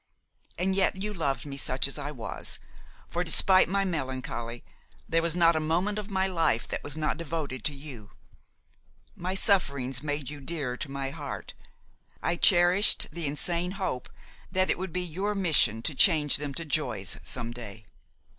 And yet you loved me such as I was; for, despite my melancholy, there was not a moment of my life that was not devoted to you; my sufferings made you dearer to my heart; I cherished the insane hope that it would be your mission to change them to joys some day.